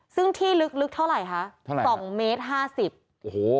ซึ่งที่ลึกลึกเท่าไหร่คะเท่าไหร่สองเมตรห้าสิบโอ้โห